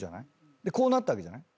でこうなったわけじゃない。